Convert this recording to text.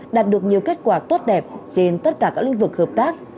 đạt được nhiều kết quả tốt đẹp trên tất cả các lĩnh vực hợp tác